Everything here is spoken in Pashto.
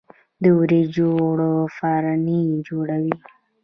د وریجو اوړه فرني جوړوي.